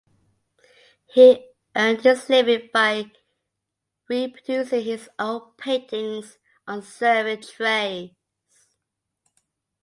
He earned his living by reproducing his own paintings on serving trays.